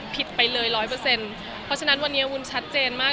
ไปเลยร้อยเปอร์เซ็นต์เพราะฉะนั้นวันนี้วุ้นชัดเจนมาก